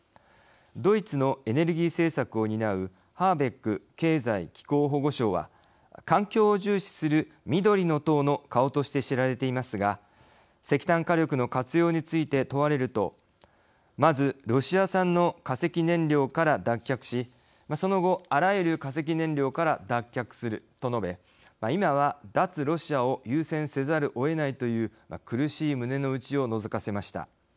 ドイツのエネルギー政策を担うハーベック経済・気候保護相は環境を重視する「緑の党」の顔として知られていますが石炭火力の活用について問われると「まずロシア産の化石燃料から脱却しその後、あらゆる化石燃料から脱却する」と述べ今は脱ロシアを優先せざるをえないという苦しい胸の内をのぞかせました。